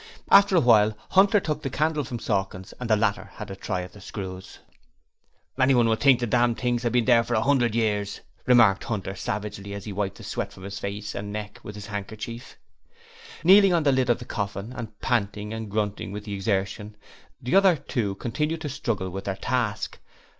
After a while Hunter took the candle from Sawkins and the latter had a try at the screws. 'Anyone would think the dam' things had been there for a 'undred years,' remarked Hunter, savagely, as he wiped the sweat from his face and neck with his handkerchief. Kneeling on the lid of the coffin and panting and grunting with the exertion, the other two continued to struggle with their task.